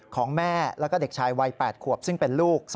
ของแม่แล้วก็เด็กชายวัย๘ขวบซึ่งเป็นลูก